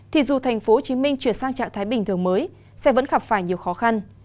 thì dù tp hcm chuyển sang trạng thái bình thường mới sẽ vẫn gặp phải nhiều khó khăn